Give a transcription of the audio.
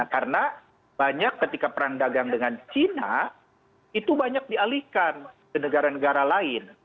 karena banyak ketika peran dagang dengan china itu banyak dialihkan ke negara negara lain